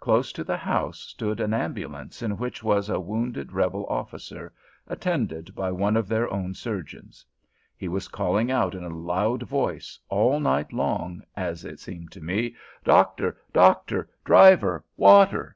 Close to the house stood an ambulance in which was a wounded Rebel officer, attended by one of their own surgeons. He was calling out in a loud voice, all night long, as it seemed to me, "Doctor! Doctor! Driver! Water!"